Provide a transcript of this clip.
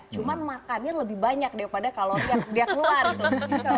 cuma makannya lebih banyak daripada kalau dia keluar gitu